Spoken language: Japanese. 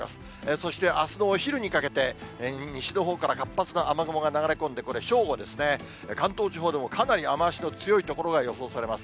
そしてあすのお昼にかけて、西のほうから活発な雨雲が流れ込んで、これ、正午ですね、関東地方でもかなり雨足の強い所が予想されます。